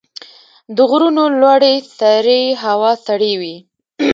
د غرونو لوړې سرې هوا سړې وي.